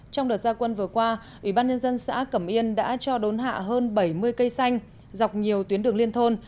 trong đợt gia quân vừa qua ủy ban nhân dân xã cẩm yên đã cho đốn hạ hơn bảy mươi cây xanh dọc nhiều tuyến đường liên thôn